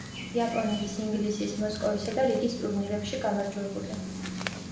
იაპონიის, ინგლისის, მოსკოვისა და რიგის ტურნირებში გამარჯვებული.